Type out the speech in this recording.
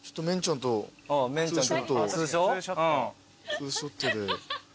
ツーショットで。